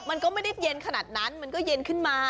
มันก็ไม่ได้เย็นขนาดนั้นมันก็เย็นขึ้นมา